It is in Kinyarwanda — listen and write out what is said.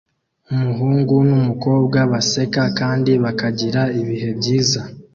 Umuhungu numukobwa baseka kandi bakagira ibihe byiza